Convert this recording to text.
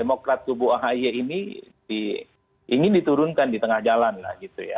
demokrat kubu ahy ini ingin diturunkan di tengah jalan lah gitu ya